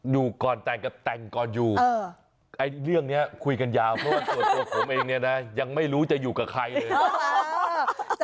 อยู่ก่อนแต่งกับแต่งก่อนอยู่เรื่องนี้คุยกันยาวเพราะว่าตัวผมเองเนี่ยนะยังไม่รู้จะอยู่กับใครเลย